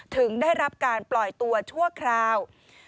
ถึงได้รับการปล่อยตัวชั่วคราว